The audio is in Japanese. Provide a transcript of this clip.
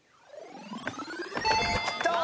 きた。